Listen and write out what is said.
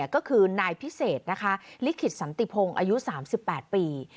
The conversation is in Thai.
ก็คือนายพิเศษนะคะลิขิตสันติพงศ์อายุ๓๘ปี